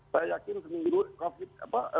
saya yakin seminggu covid sembilan belas